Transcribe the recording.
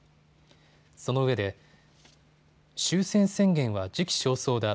そのうえで終戦宣言は時期尚早だ。